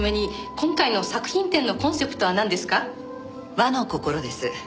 和の心です。